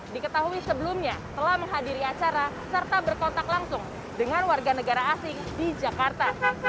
diketahui sebelumnya telah menghadiri acara serta berkontak langsung dengan warga negara asing di jakarta